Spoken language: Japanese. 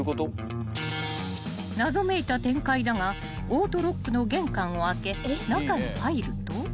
［謎めいた展開だがオートロックの玄関を開け中に入ると］